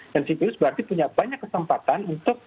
dan si virus berarti punya banyak kesempatan untuk